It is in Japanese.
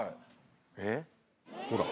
えっ？ほら。